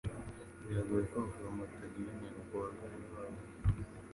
Biragoye ko abaforomo batagira intego kubarwayi babo